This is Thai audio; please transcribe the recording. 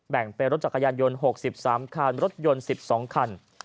แบ่งเป็นรถจักรยานยนต์๖๓คันรถยนต์๑๒คัน